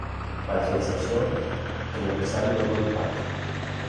Para su decepción, que el empresario propone un pacto.